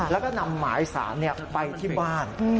แล้วก็นำหมายสารไปที่บ้าน